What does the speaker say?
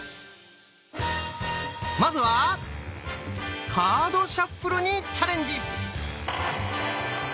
まずはカードシャッフルにチャレンジ！